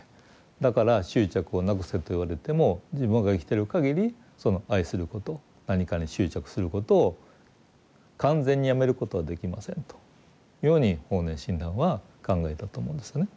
だから執着をなくせと言われても自分が生きてるかぎりその愛すること何かに執着することを完全にやめることはできませんというように法然親鸞は考えたと思うんですよね。